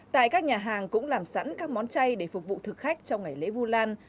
tại các nhà hàng cũng làm sẵn các món chay để phục vụ thực khách trong ngày lễ vu lan